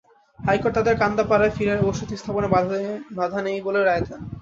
High court তাঁদের কান্দাপাড়ায় ফিরে বসতি স্থাপনে বাধা নেই বলে রায় দেন।